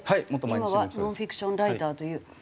今はノンフィクションライターという。